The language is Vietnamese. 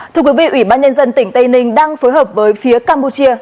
thưa quý vị ủy ban nhân dân tỉnh tây ninh đang phối hợp với phía campuchia